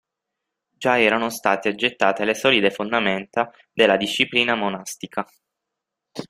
Già erano state gettate le solide fondamenta della disciplina monastica.